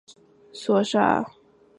他是第十四任登丹人酋长所杀。